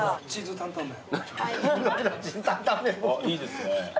いいですね。